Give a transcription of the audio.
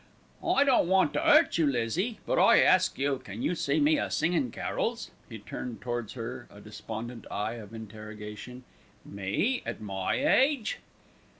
"I don't want to 'urt you, Lizzie; but I ask you, can you see me a singin' carols?" He turned towards her a despondent eye of interrogation. "Me, at my age?"